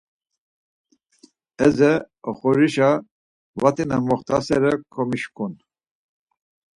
Eze oxorişe vati na moxt̆asere komişǩun.